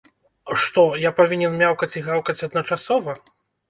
Што, я павінен мяўкаць і гаўкаць адначасова?!